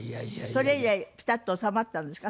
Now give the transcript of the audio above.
それ以来ピタッと収まったんですか？